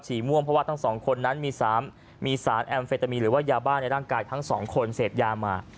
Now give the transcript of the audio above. ม่วงเพราะว่าทั้งสองคนนั้นมีสารแอมเฟตามีนหรือว่ายาบ้าในร่างกายทั้งสองคนเสพยามา